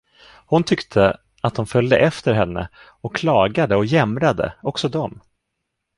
Hon tyckte, att de följde efter henne och klagade och jämrade, också de.